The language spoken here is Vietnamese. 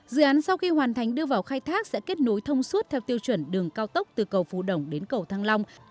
dự án sau khi hoàn thành đưa vào khai thác sẽ kết nối thông suốt theo tiêu chuẩn đường cao tốc từ cầu phú đồng đến cầu thăng long